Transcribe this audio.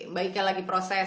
baiknya lagi proses